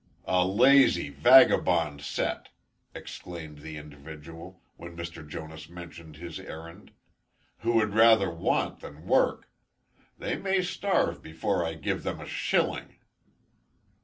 "A lazy, vagabond set!" exclaimed the individual, when Mr. Jonas mentioned his errand, "who would rather want than work. They may starve before I give them a shilling."